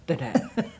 フフフフ。